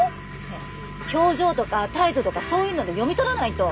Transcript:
ねえ表情とか態度とかそういうので読み取らないと！